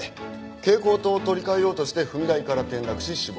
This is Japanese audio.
蛍光灯を取り換えようとして踏み台から転落し死亡。